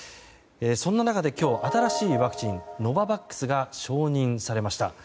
そんな中で今日、新しいワクチンノババックスが承認されました。